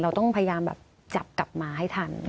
เราต้องพยายามแบบจับกลับมาให้ทัน